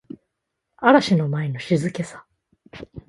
嵐の前の静けさ